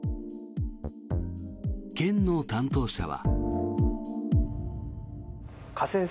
県の担当者は。